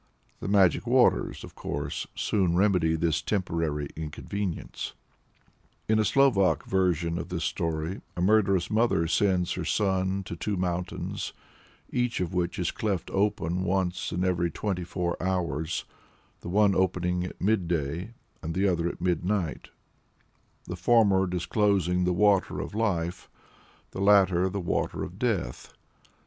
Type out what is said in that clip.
The magic waters, of course, soon remedy this temporary inconvenience. In a Slovak version of this story, a murderous mother sends her son to two mountains, each of which is cleft open once in every twenty four hours the one opening at midday and the other at midnight; the former disclosing the Water of Life, the latter the Water of Death.